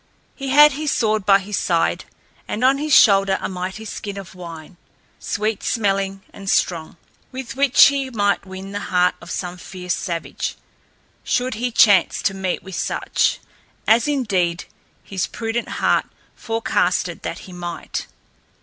He had his sword by his side, and on his shoulder a mighty skin of wine, sweet smelling and strong, with which he might win the heart of some fierce savage, should he chance to meet with such, as indeed his prudent heart forecasted that he might.